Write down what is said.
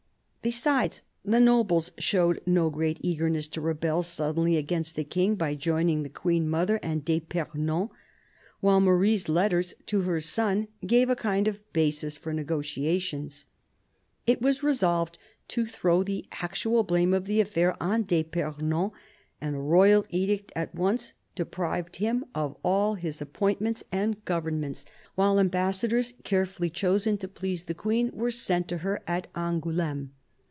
Besides, the nobles showed no great eagerness to rebel suddenly against the King by joining the Queen mother and d'fipernon, while Marie's letters to her son gave a kind of basis for negotiations. It was resolved to throw the actual blame of the affair on d'fipernon, and a royal edict at once deprived him of all his appointments and governments, while ambassadors, THE BISHOP OF LUgON 113 carefully chosen to please the Queen, were sent to her at Angoul6me.